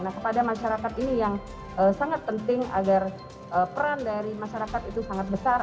nah kepada masyarakat ini yang sangat penting agar peran dari masyarakat itu sangat besar